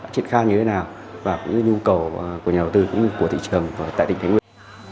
chuyện khác như thế nào và những nhu cầu của nhà hội tư cũng như của thị trường và tại tỉnh thái nguyên